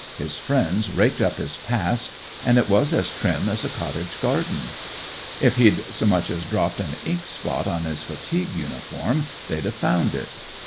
His friends raked up his past, and it was as trim as a cottage garden. If he'd so much as dropped an ink spot on his fatigue uniform, they'd have found it.